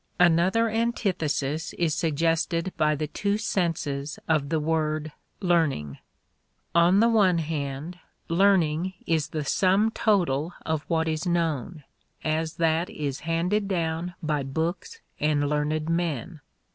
Another antithesis is suggested by the two senses of the word "learning." On the one hand, learning is the sum total of what is known, as that is handed down by books and learned men.